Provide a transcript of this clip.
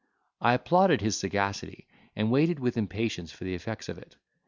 I applauded his sagacity, and waited with impatience for the effects of it.